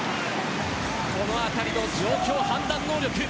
この辺りの状況判断能力。